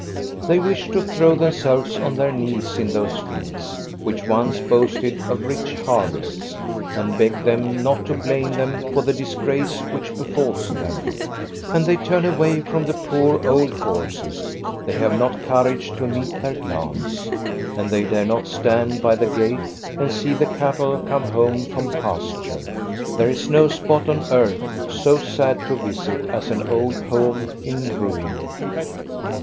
They wish to throw themselves on their knees in those fields, which once boasted of rich harvests, and beg them not to blame them for the disgrace which befalls them. And they turn away from the poor old horses ; they have not courage to meet their glance. And they dare not stand by the gate and see the cattle come home from pasture. There is no spot on earth so sad to visit as an old home in ruin.